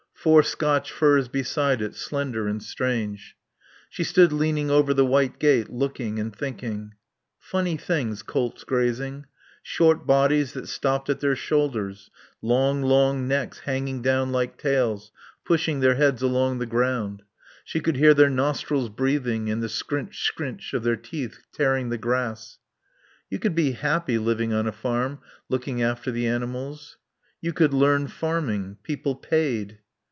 Four Scotch firs beside it, slender and strange. She stood leaning over the white gate, looking and thinking. Funny things, colts grazing. Short bodies that stopped at their shoulders; long, long necks hanging down like tails, pushing their heads along the ground. She could hear their nostrils breathing and the scrinch, scrinch of their teeth tearing the grass. You could be happy living on a farm, looking after the animals. You could learn farming. People paid.